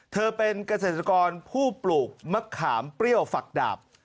เธอเป็นเกษตรกรผู้ปลูกมะขามเปรี้ยวฝักดาบ